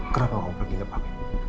kenapa kamu pergi ngepak